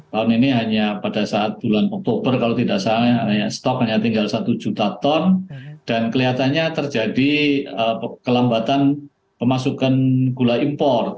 tahun ini hanya pada saat bulan oktober kalau tidak salah stok hanya tinggal satu juta ton dan kelihatannya terjadi kelambatan pemasukan gula impor